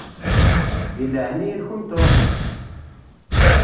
Di leɛnaya-nkent ṛuḥemt!